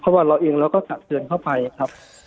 เพราะว่าเราเองเราก็ตักเตือนเข้าไปครับ